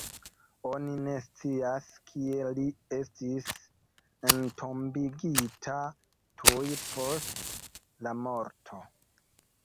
Oni ne scias, kie li estis entombigita tuj post la morto.